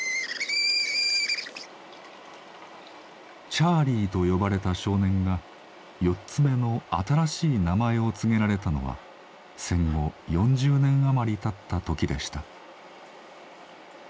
チャーリーと呼ばれた少年が４つ目の新しい名前を告げられたのは戦後４０年余りたった時でした。